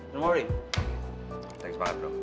terima kasih banget bro